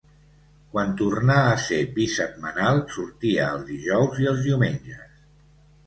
Quan tornà a ser bisetmanal sortia els dijous i els diumenges.